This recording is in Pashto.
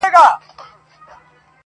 • رپول مي بیرغونه هغه نه یم -